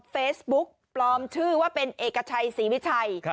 เฟซบุ๊กปลอมชื่อว่าเป็นเอกชัยศรีวิชัย